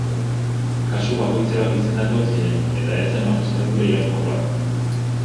Kasu bakoitzerako izendatuak ziren, eta ez zen magistratura iraunkor bat.